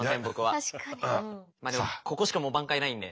まあでもここしかもう挽回ないんで。